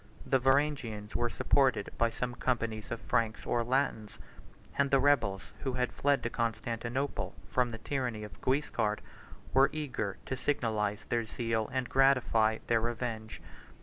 The Varangians were supported by some companies of Franks or Latins; and the rebels, who had fled to Constantinople from the tyranny of Guiscard, were eager to signalize their zeal and gratify their revenge.